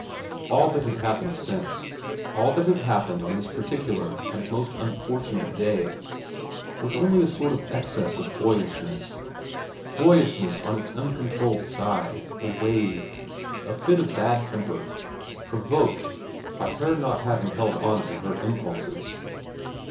All that had happened since, all that had happened on this particular and most unfortunate day, was only a sort of excess of boyishness : boyishness on its un controlled side, a wave, a fit of bad temper provoked by her not having held on to her impulses.